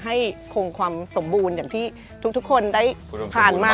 คงความสมบูรณ์อย่างที่ทุกคนได้ผ่านมา